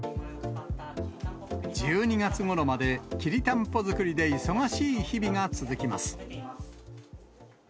１２月ごろまできりたんぽ作りで忙しい日々が続きます。